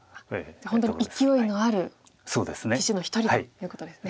本当に勢いのある棋士の一人ということですね。